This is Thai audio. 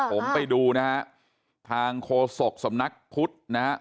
ผมไปดูนะฮะทางโฆษกสำนักพุทธนะฮะ